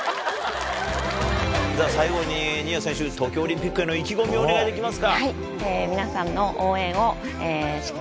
じゃあ、最後に新谷選手、東京オリンピックへの意気込みをお願いできますか。